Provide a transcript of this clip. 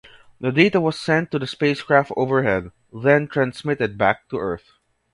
The data was sent to the spacecraft overhead, then transmitted back to Earth.